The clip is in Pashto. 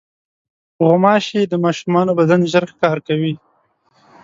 غوماشې د ماشومانو بدن ژر ښکار کوي.